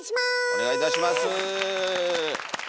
お願いいたします。